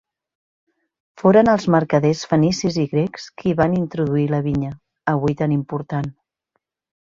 Foren els mercaders fenicis i grecs qui hi van introduir la vinya, avui tan important.